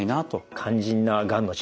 肝心ながんの治療